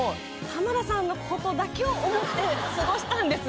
浜田さんのことだけを思って過ごしたんです